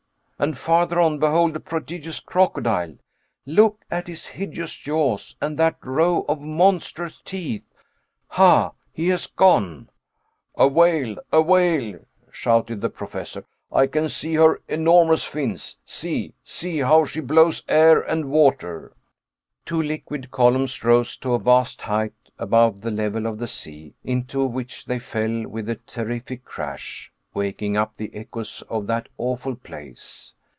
"And farther on behold a prodigious crocodile. Look at his hideous jaws, and that row of monstrous teeth. Ha! he has gone." "A whale! a whale!" shouted the Professor, "I can see her enormous fins. See, see, how she blows air and water!" Two liquid columns rose to a vast height above the level of the sea, into which they fell with a terrific crash, waking up the echoes of that awful place.